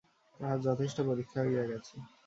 তাহার যথেষ্ট পরীক্ষা হইয়া গেছে।